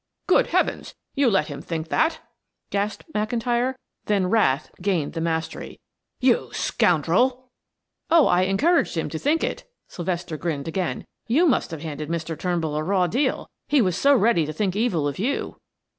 "Good heavens! You let him think that?" gasped McIntyre; then wrath gained the mastery. "You scoundrel!" "Oh, I encouraged him to think it," Sylvester grinned again. "You must have handed Mr. Turnbull a raw deal; he was so ready to think evil of you."